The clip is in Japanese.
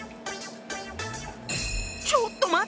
ちょっと待って。